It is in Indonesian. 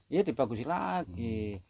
iya dibagusin lagi